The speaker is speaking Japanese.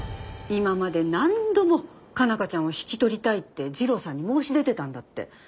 今まで何度も佳奈花ちゃんを引き取りたいって次郎さんに申し出てたんだって。